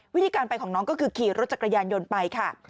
วิธีการไปของน้องก็คือขี่รถจักรยานยนต์ไปค่ะ